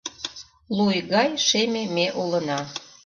Луй гай шеме ме улына